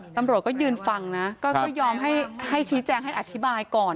ตำรวจก็ยืนฟังนะก็ยอมให้ชี้แจงให้อธิบายก่อน